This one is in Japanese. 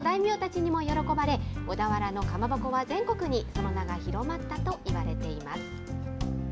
歴史は古く、江戸時代の大名たちにも喜ばれ、小田原のかまぼこは全国にその名が広まったといわれています。